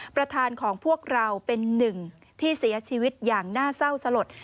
ประธานของพวกเราเป็นหนึ่งที่เสียชีวิตอย่างน่าเศร้าสลด